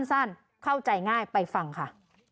สั้นเข้าใจง่ายไปฟังค่ะ